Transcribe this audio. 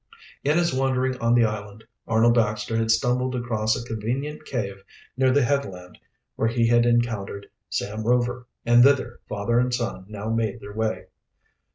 In his wandering on the island Arnold Baxter had stumbled across a convenient cave near the headland where he had encountered Sam Rover, and thither father and son now made their way.